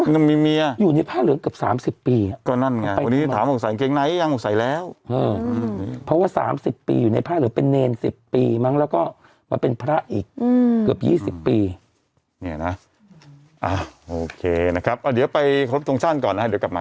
นี่สงสัยไหมว่าพศลาศิขามา